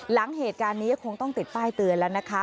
หลังเหตุการณ์นี้คงต้องติดป้ายเตือนแล้วนะคะ